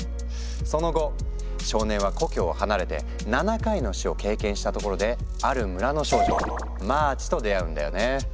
その後少年は故郷を離れて７回の「死」を経験したところである村の少女マーチと出会うんだよね。